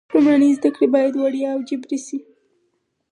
لومړنۍ زده کړې باید وړیا او جبري شي.